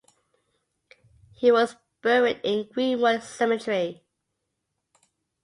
He was buried in Greenwood Cemetery.